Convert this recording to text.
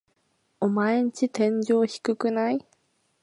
オマエんち天井低くない？